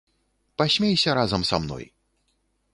Пасмейся разам са мной.